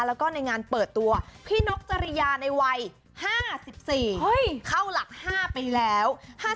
แล้วก็ในงานเปิดตัวพี่นกจริยาในวัย๕๔เข้าหลัก๕ไปแล้ว